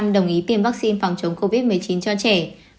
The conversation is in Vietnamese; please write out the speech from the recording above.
sáu mươi sáu đồng ý tiêm vaccine phòng chống covid một mươi chín cho trẻ